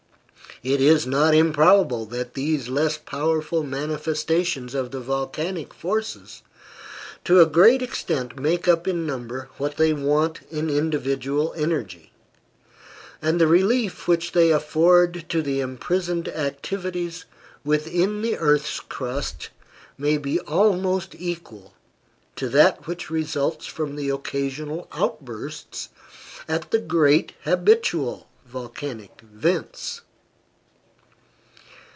It is not improbable that these less powerful manifestations of the volcanic forces to a great extent make up in number what they want in individual energy; and the relief which they afford to the imprisoned activities within the earth's crust may be almost equal to that which results from the occasional outbursts at the great habitual volcanic vents.